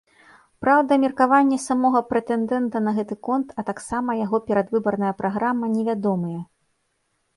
Праўда, меркаванне самога прэтэндэнта на гэты конт, а таксама яго перадвыбарная праграма невядомыя.